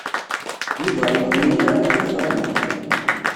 Yuba ur yenni ara i Nna Faḍma.